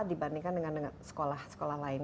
dibandingkan dengan sekolah sekolah lain